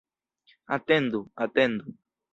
Atendu, atendu!